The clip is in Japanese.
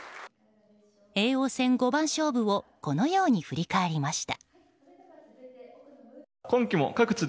叡王戦五番勝負をこのように振り返りました。